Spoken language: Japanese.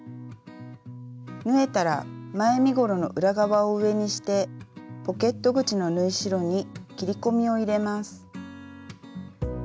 縫えたら前身ごろの裏側を上にしてポケット口の縫い代に切り込みを入れます。